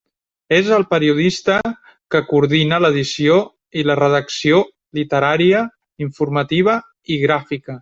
És el periodista que coordina l'edició i la redacció literària, informativa i gràfica.